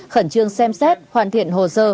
khẩn trương xem xét hoàn thiện hồ sơ